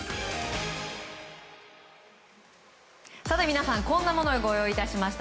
皆さんこんなものをご用意しました。